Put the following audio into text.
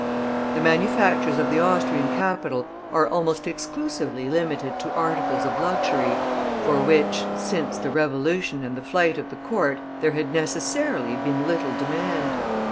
The manufactures of the Austrian capital are almost exclusively limited to articles of luxury, for which, since the Revolution and the flight of the Court, there had necessarily been little demand.